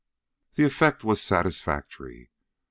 The effect was satisfactory.